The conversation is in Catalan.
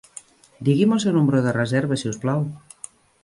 Digui'm el seu número de reserva si us plau.